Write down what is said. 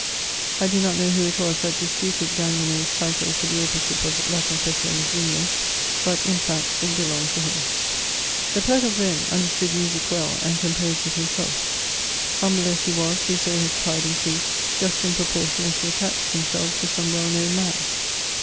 I do not know who it was that disputed Gingu^n^'s title to the authorship of La Confession de Zulmi^ but, in facty it belonged to him. 182 MEMOIRS OF The Poet of Rennes understood music well, and composed it himself. Humble as he was, we saw his pride increase, just in proportion as he attached himself to some well known man.